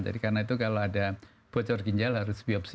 jadi karena itu kalau ada bocor ginjal harus biopsi